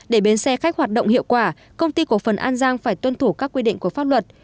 để bến xe khách hoạt động hiệu quả công ty cổ phần an giang phải tuân thủ các quy định của pháp luật